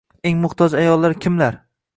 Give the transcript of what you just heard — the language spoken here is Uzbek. Eng muhtoj ayollar kimlar?